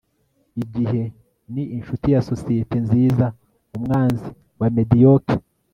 igihe ni inshuti ya sosiyete nziza, umwanzi wa mediocre